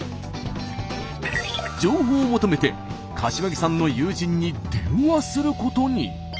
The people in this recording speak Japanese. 情報を求めて柏木さんの友人に電話することに。